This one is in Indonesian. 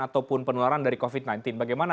ataupun penularan dari covid sembilan belas bagaimana